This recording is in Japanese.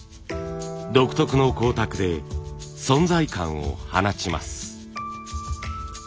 独特の光沢で存在感を放ちます。